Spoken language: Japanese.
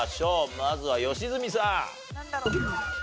まずは良純さん。